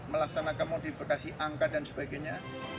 melaksanakan modifikasi angka dan sebagainya